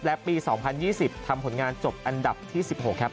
และปี๒๐๒๐ทำผลงานจบอันดับที่๑๖ครับ